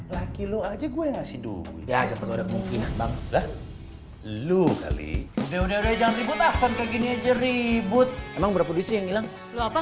lu kali udah udah jangan ribut akan kekinian ribut emang berapa duit yang hilang lo apa